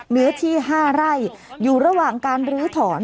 เนื้อที่๕ไร่อยู่ระหว่างการลื้อถอน